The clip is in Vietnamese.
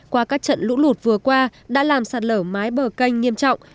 qua các trận lũ lụt vừa qua đã làm sạt lở mái bờ canh nghiêm trọng